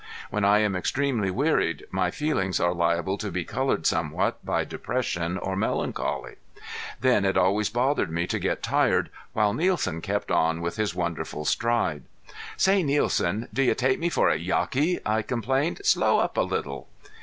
When I am extremely wearied my feelings are liable to be colored somewhat by depression or melancholy. Then it always bothered me to get tired while Nielsen kept on with his wonderful stride. "Say, Nielsen, do you take me for a Yaqui?" I complained. "Slow up a little."